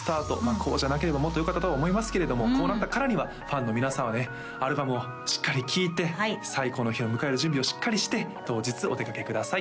こうじゃなければもっとよかったとは思いますけれどもこうなったからにはファンの皆様ねアルバムをしっかり聴いて最高の日を迎える準備をしっかりして当日お出掛けください